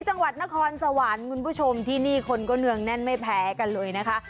จังหวัดนครสวรรค์คุณผู้ชมที่นี่คนก็เนืองแน่นไม่แพ้กันเลยนะคะ